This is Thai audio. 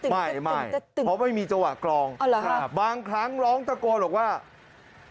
ไม่เพราะไม่มีจังหวัดกลองบางครั้งร้องตะโกนหรอกว่าอ๋อเหรอครับ